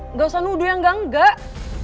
nggak usah nuduh yang nggak enggak